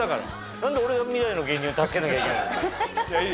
何で俺が未来の芸人を助けなきゃいけないんだよ。